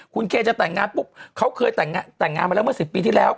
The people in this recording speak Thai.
คุณเคจะแต่งงานปุ๊บเขาเคยแต่งงานมาแล้วเมื่อ๑๐ปีที่แล้ว